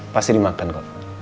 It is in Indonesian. pasti dimakan kok